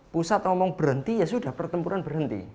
pusat ngomong berhenti ya sudah pertempuran berhenti